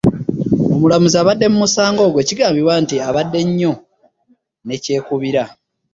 Omulamuzi abadde mu musango ogwo kigambibwa nti abadde nnyo ne kyekubiira.